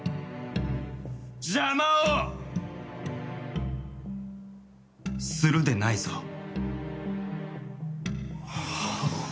邪魔をするでないぞ。はっ。